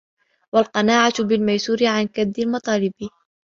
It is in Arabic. وَالْقَنَاعَةُ بِالْمَيْسُورِ عَنْ كَدِّ الْمَطَالِبِ